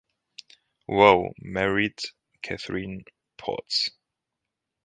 Waugh married Katherine Potts.